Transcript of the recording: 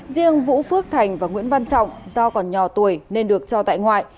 riêng vũ phước thành và nguyễn văn trọng do còn nhỏ tuổi nên được cho tại ngoại